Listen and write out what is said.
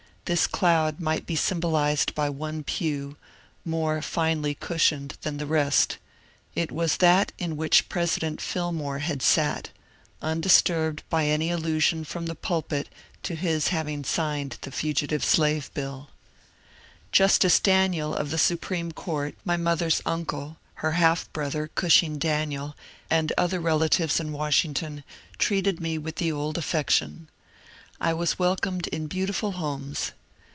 This cloud might be symbolized by one pew, more finely cushioned than the rest It was that in which President Fillmore had sat, — undisturbed by any allusion from the pulpit to his having signed the Fugitive Skve BilL Justice Daniel of the Supreme Court, my mother's uncle, her half brother. Gushing Daniel, and other relatives in Wash ington treated me with the old affection. I was welcomed in beautiful homes.